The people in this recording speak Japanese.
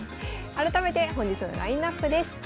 改めて本日のラインナップです。